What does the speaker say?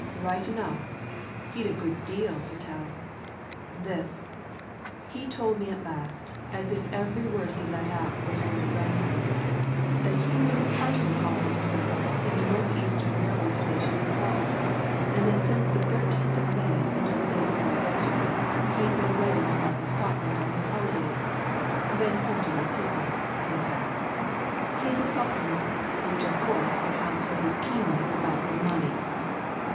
"Right enough, he'd a good deal to tell. This he told me at last, as if every word he let out was worth a ransom, that he was a parcels office clerk in the North Eastern Railway Station at Hull, and that since the 13th of May until the day before yesterday he'd been away in the North of Scotland on his holidays been home to his people, in fact he is a Scotsman, which, of course, accounts for his keenness about the money.